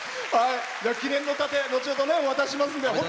記念の盾、後ほどお渡ししますので。